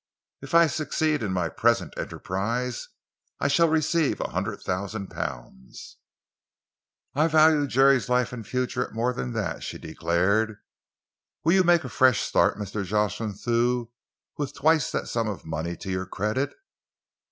If I succeed in my present enterprise, I shall receive a hundred thousand pounds." "I value Jerry's life and future at more than that," she declared. "Will you make a fresh start, Mr. Jocelyn Thew, with twice that sum of money to your credit?"